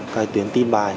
cái tuyến tin bài